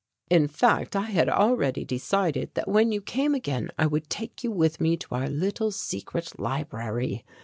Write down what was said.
In fact I had already decided that when you came again I would take you with me to our little secret library.